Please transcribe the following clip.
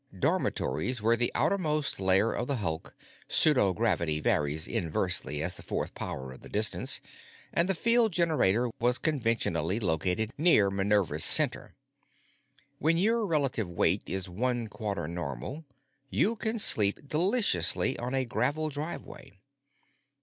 Dormitories were the outermost layer of the hulk, pseudogravity varies inversely as the fourth power of the distance, and the field generator was conventionally located near "Minerva's" center. When your relative weight is one quarter normal you can sleep deliciously on a gravel driveway.